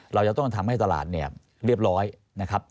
เราจะต้องทำให้ตลาดเนี่ยเรียบร้อยนะครับ